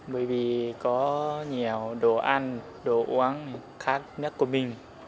bởi vì có nhiều đồ ăn đồ uống khác nhất của mình